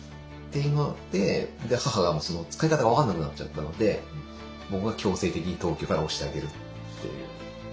で母がその使い方分かんなくなっちゃったので僕が強制的に東京から押してあげるっていう。